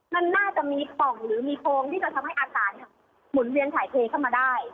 มันน่าจะมีป่องหรือมีโพงที่จะทำให้อากาศหมุนเวียนถ่ายเทเข้ามาได้